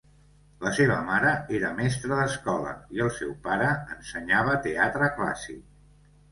La seva mare era mestra d'escola i el seu pare ensenyava teatre clàssic.